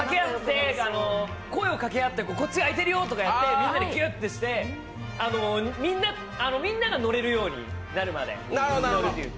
声を掛け合ってこっち空いてるよっていってみんなでギュッてして、みんなが乗れるようになるまで乗るという。